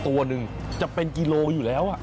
ตัวหนึ่งจะเป็นกิโลอยู่แล้ว